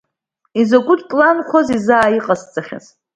Изакәытә планқәази заа иҟасҵахьаз…